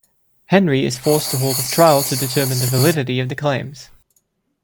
Henry is forced to hold a trial to determine the validity of the claims.